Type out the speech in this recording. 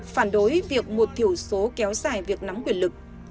phản đối việc một thiểu số kéo dài việc nắm quyền lực